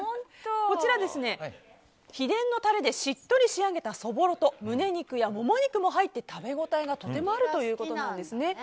こちら、秘伝のタレでしっとり仕上げたそぼろと胸肉やモモ肉も入って食べ応えがとてもあるということです。